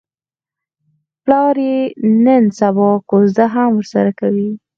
پلار یې نن سبا کوزده هم ورسره کوي.